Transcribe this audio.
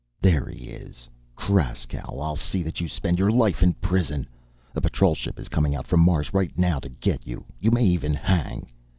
"There he is! Kraskow, I'll see that you spend your life in prison! A Patrol ship is coming out from Mars right now to get you! You may even hang!